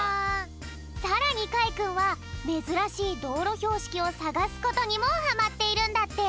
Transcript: さらにかいくんはめずらしいどうろひょうしきをさがすことにもはまっているんだって。